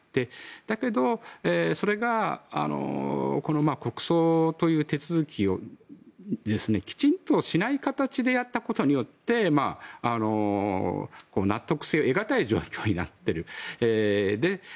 だけど、それが国葬という手続きをきちんとしない形でやったことによって納得しがたい状態になっている。